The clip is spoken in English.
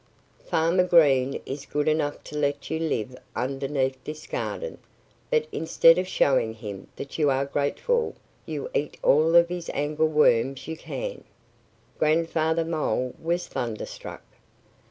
"Farmer Green is good enough to let you live underneath his garden. But instead of showing him that you are grateful you eat all of his angleworms you can." Grandfather Mole was thunderstruck.